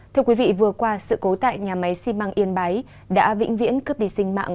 thưa quý vị vừa qua sự cố tại nhà máy xi măng yên bái đã vĩnh viễn cướp đi sinh mạng